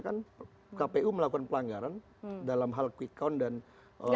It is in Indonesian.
karena kpu melakukan pelanggaran dalam hal quick count dan apa namanya